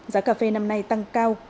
giá cà phê năm nay tăng cao